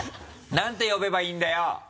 何て呼べばいいんだよ？